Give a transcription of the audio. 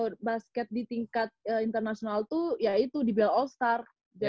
untuk basket di tingkat internasional tuh ya itu di bale all star